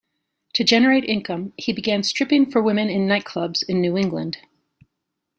To generate income, he began stripping for women in nightclubs in New England.